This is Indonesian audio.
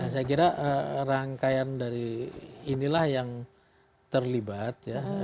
saya kira rangkaian dari inilah yang terlibat ya